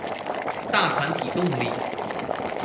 大團體動力